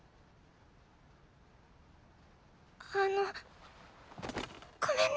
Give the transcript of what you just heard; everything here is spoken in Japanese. あのごめんね。